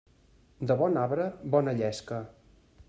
De bon arbre, bona llesca.